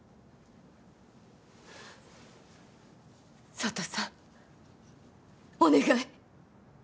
佐都さんお願い。